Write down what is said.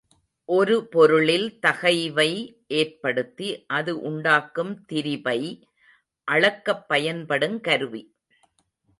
ஒரு பொருளில் தகைவை ஏற்படுத்தி அது உண்டாக்கும் திரிபை அளக்கப் பயன்படுங் கருவி.